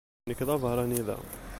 Nekk d abeṛṛani da.